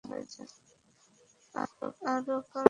আরোও কারণ চান এখান থেকে বের হওয়ার জন্য?